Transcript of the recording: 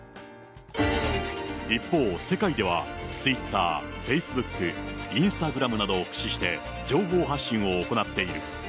一方、世界では、ツイッター、フェイスブック、インスタグラムなどを駆使して、情報発信を行っている。